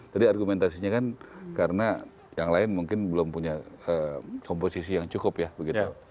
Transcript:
tadi argumentasinya kan karena yang lain mungkin belum punya komposisi yang cukup ya begitu